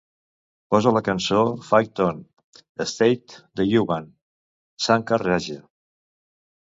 Posa la cançó Fight On, State de Yuvan Shankar Raja.